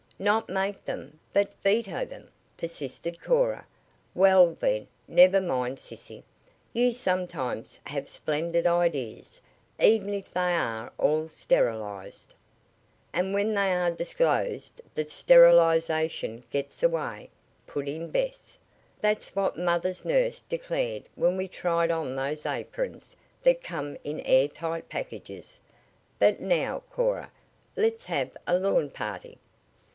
"Not make them; but veto them," persisted Cora. "Well, then, never mind, sissy. You sometimes have splendid ideas, even if they are all sterilized." "And when they are disclosed the sterilization gets away," put in Bess. "That's what mother's nurse declared when we tried on those aprons that come in air tight packages. But now, Cora, let's have a lawn party."